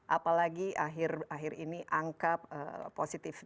apalagi akhir akhir ini angka positif